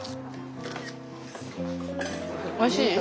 おいしい？